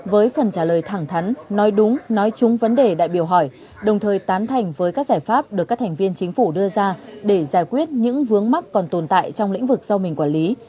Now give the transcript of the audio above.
với phần trả lời thẳng thắn nói đúng nói chung vấn đề đại biểu hỏi đồng thời tán thành với các giải pháp được các thành viên chính phủ đưa ra để giải quyết những vướng mắc còn tồn tại trong lĩnh vực do mình quản lý